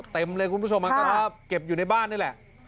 เต็มเลยคุณผู้ชมมันก็เก็บอยู่ในบ้านนี่แหละ